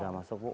udah masuk bu